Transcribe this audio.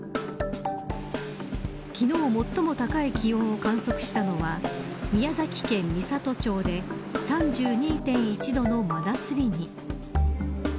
昨日最も高い気温を観測したのは宮崎県美郷町で３２．１度の真夏日に。